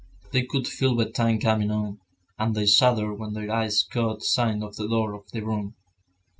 They could feel bedtime coming on, and they shuddered when their eyes caught sight of the door of their room.